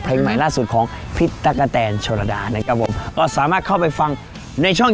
ใหม่ล่าสุดของพี่ตั๊กกะแตนโชลดานะครับผมก็สามารถเข้าไปฟังในช่อง